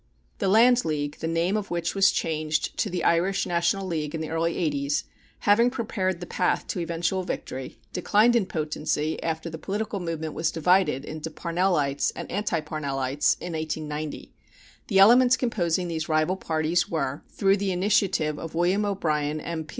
The Land League, the name of which was changed to the Irish National League in the early '80's, having prepared the path to eventual victory, declined in potency after the political movement was divided into Parnellites and Anti Parnellites in 1890. The elements composing these rival parties were, through the initiative of William O'Brien, M.